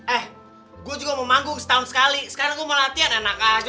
eh gue juga mau manggung setahun sekali sekarang aku mau latihan anak aja